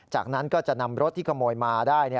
จากนั้นก็จะนำรถที่ขโมยมาได้